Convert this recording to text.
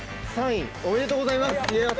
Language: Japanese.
３位、おめでとうございます。